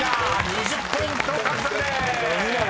２０ポイント獲得です］